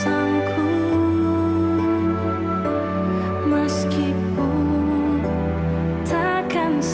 mungkin bila saat ini aku harus